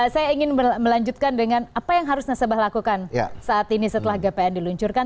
saya ingin melanjutkan dengan apa yang harus nasabah lakukan saat ini setelah gpn diluncurkan